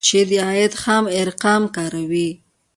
چې د عاید خام ارقام کاروي